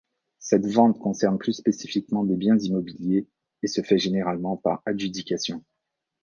Cette vente concerne plus spécifiquement des biens immobiliers et se fait généralement par adjudication.